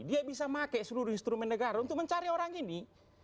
dia bisa pakai seluruh instrumen negara untuk mencari orang ini